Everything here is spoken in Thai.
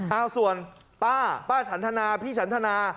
เอาส่วนป้าป้าฉันทนาพี่ฉันทนา